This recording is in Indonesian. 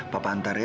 papa antar ya